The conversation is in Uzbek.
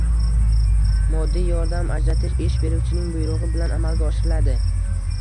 moddiy yordam ajratish ish beruvchining buyrug‘i bilan amalga oshiriladi. B